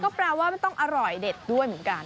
แปลว่ามันต้องอร่อยเด็ดด้วยเหมือนกัน